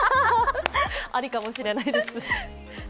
アリかもしれないです。